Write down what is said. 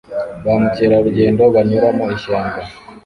Ba mukerarugendo banyura mu ishyamba